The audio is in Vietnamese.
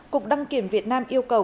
cục đăng kiểm việt nam yêu cầu